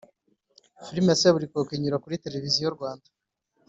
Filime ya seburikoko inyura kuri televisiyo rwanda